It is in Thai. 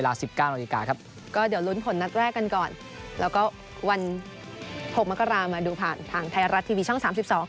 แล้วก็วัน๖มากรามาดูผ่านทางไทยรัฐทีวีช่อง๓๒